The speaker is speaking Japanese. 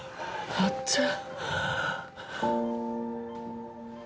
あっちゃん。